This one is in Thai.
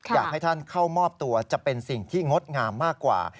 อยากให้ท่านเข้ามอบตัวจะเป็นสิ่งที่งดงามมากกว่า